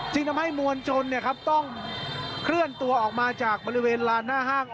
ทำให้มวลชนต้องเคลื่อนตัวออกมาจากบริเวณลานหน้าห้าง